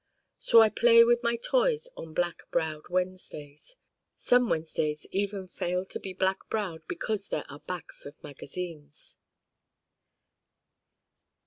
So I play with my toys on black browed Wednesdays. Some Wednesdays even fail to be black browed because there are Backs to magazines.